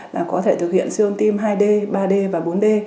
là có thể thực hiện siêu âm tim hai d ba d và bốn d